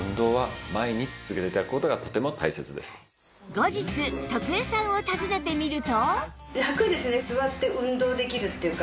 後日徳江さんを訪ねてみると